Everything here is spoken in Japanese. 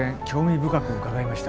深く伺いました。